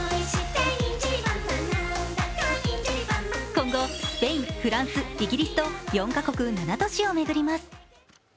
今後、スペイン、フランス、イギリスと４か国７都市を巡ります。